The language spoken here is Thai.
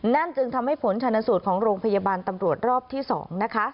จึงทำให้ผลชนสูตรของโรงพยาบาลตำรวจรอบที่๒นะคะ